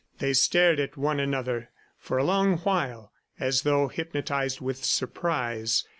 They stared at one another for a long while, as though hypnotized with surprise.